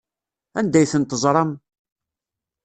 Anda ay tent-teẓram?